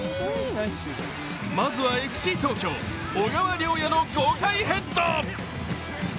まずは、ＦＣ東京・小川諒也の豪快ヘッド。